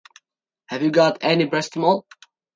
Have you got any paracetamol?